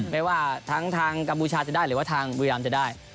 ไม่ว่าทั้งทางกัมพูชาจะได้หรือว่าทางบุรีรามจะได้